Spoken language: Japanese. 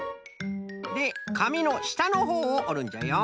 でかみのしたのほうをおるんじゃよ。